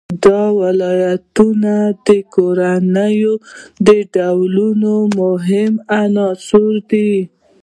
دا ولایتونه د کورنیو د دودونو مهم عنصر دی.